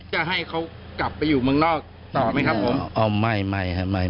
จะให้เขากลับไปอยู่เมืองนอกต่อไหมครับผม